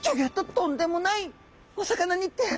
とんでもないお魚に出会ったんです。